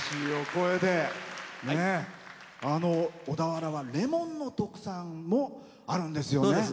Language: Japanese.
小田原はレモンの特産もあるんですよね。